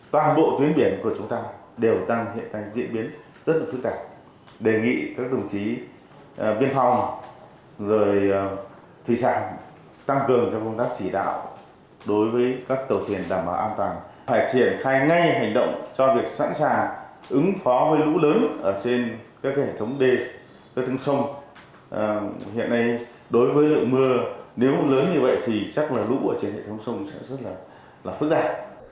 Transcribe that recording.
thủy sản tăng cường cho công tác chỉ đạo đối với các tàu thuyền đảm bảo an toàn phải triển khai ngay hành động cho việc sẵn sàng ứng phó với lũ lớn ở trên các hệ thống đê các hệ thống sông hiện nay đối với lượng mưa nếu lớn như vậy thì chắc là lũ ở trên hệ thống sông sẽ rất là phức đại